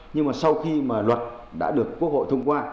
nhưng mà sau khi mà luật đã được quốc hội thông qua